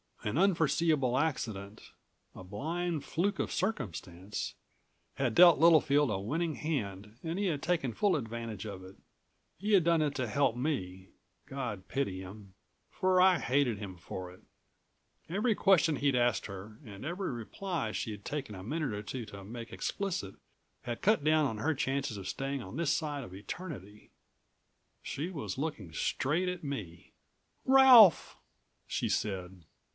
An unforeseeable accident a blind fluke of circumstance had dealt Littlefield a winning hand and he had taken full advantage of it. He had done it to help me, God pity him ... for I hated him for it. Every question he'd asked her and every reply she'd taken a minute or two to make explicit had cut down her chances of staying on this side of eternity. She was looking straight at me. "Ralph!" she said.